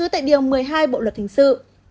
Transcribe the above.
trong một mươi hai bộ luật hình sự